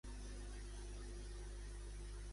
L'article d'en Zarzalejos és irrellevant per tot això.